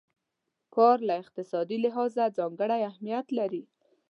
کار له اقتصادي لحاظه ځانګړی اهميت لري.